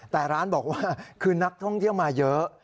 แต่ร้านบอกว่าคือนักท่องเที่ยวมาเยอะ